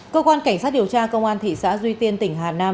cơ quan cảnh sát điều tra công an thị xã duy tiên tỉnh hà nam